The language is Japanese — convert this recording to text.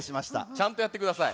ちゃんとやってください。